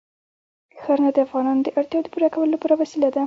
ښارونه د افغانانو د اړتیاوو د پوره کولو وسیله ده.